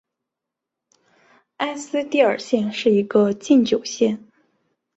埃斯蒂尔县是一个禁酒县。